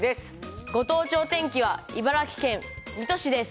ご当地お天気は、茨城県水戸市です。